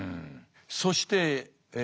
そしてえ